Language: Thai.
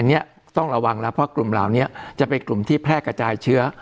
อันนี้ต้องระวังแล้วเพราะกลุ่มเหล่านี้จะเป็นกลุ่มที่แพร่กระจายเชื้อ